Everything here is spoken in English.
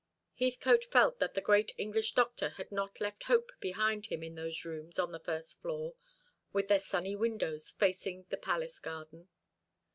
Heathcote felt that the great English doctor had not left hope behind him in those rooms on the first floor, with their sunny windows facing the palace garden.